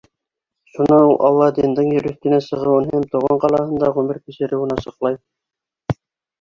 Шунан ул Аладдиндың ер өҫтөнә сығыуын һәм тыуған ҡалаһында ғүмер кисереүен асыҡлай.